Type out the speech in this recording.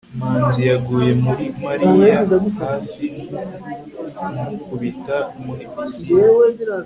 manzi yaguye muri mariya hafi kumukubita muri pisine